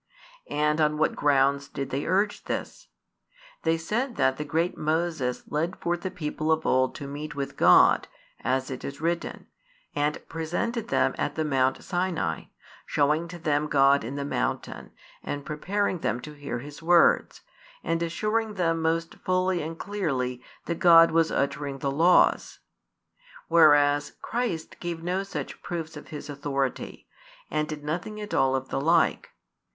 And on what grounds did they urge this? They said that the great Moses led forth the people of old to meet with God, as it is written, and presented them at the Mount Sinai, showing to them God in the mountain, and preparing them to hear His words, and assuring them most fully and clearly that God was uttering the laws: whereas Christ gave no such proofs of His authority, |253 and did nothing at all of the like.